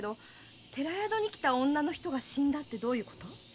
寺宿に来た女の人が死んだってどういうこと？